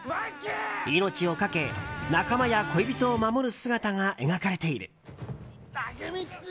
命をかけ仲間や恋人を守る姿が描かれている。